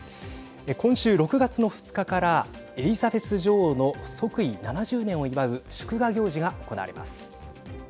今週、６月の２日からエリザベス女王の即位７０年を祝う祝賀行事が行われます。